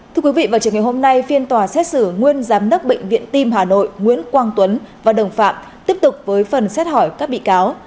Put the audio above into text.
thưa quý vị vào trường ngày hôm nay phiên tòa xét xử nguyên giám đốc bệnh viện tim hà nội nguyễn quang tuấn và đồng phạm tiếp tục với phần xét hỏi các bị cáo